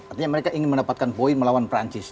artinya mereka ingin mendapatkan poin melawan perancis